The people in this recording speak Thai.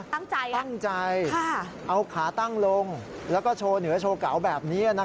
ตั้งใจตั้งใจเอาขาตั้งลงแล้วก็โชว์เหนือโชว์เก่าแบบนี้